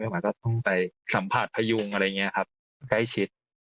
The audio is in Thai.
หมายก็ต้องไปสัมผัสพยุงอะไรอย่างนี้ครับใกล้ชิด